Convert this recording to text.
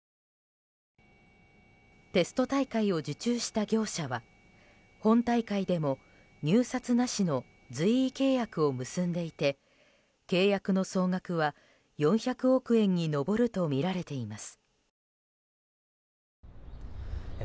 テスト大会を受注した業者は本大会でも入札なしの随意契約を結んでいて契約の総額は４００億円に上るとみられています。